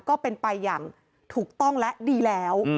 ก็เป็นไปอย่างถูกต้องและดีแล้ว